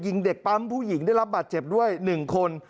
ยิงเด็กปั๊มผู้หญิงได้รับบาดเจ็บด้วย๑คน